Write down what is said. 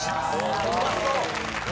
・うまそう！